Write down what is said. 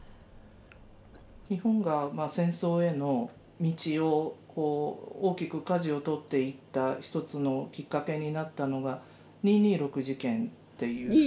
日本が戦争への道を大きくかじをとっていった一つのきっかけになったのが二・二六事件っていうふうに。